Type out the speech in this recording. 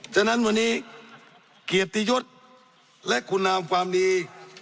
ฉะนั้นวันนี้เกียรติยศและคุณนามความดี